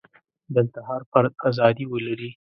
دلته هر فرد ازادي ولري.